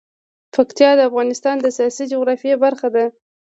پکتیا د افغانستان د سیاسي جغرافیه برخه ده.